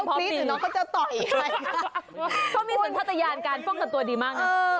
พวกมีสดภัตริยาการป้องกันตัวดีมาก